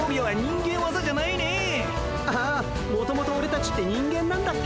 ああもともとオレたちって人間なんだっけ？